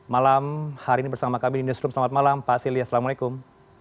malam hari ini bersama kami di the strum selamat malam pak sili assalamualaikum